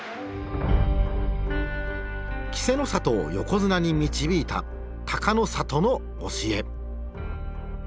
稀勢の里を横綱に導いた隆の里の教え。